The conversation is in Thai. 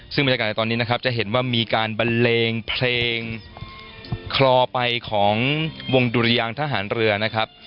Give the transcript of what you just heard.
ซึ่งบรรยากาศในตอนนี้นะครับจะเห็นว่ามีการบันเลงเพลงคลอไปของวงดุรยางทหารเรือนะครับ